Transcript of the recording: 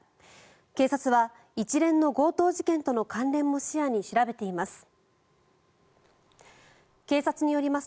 警察は一連の強盗事件との関連も視野に調べています。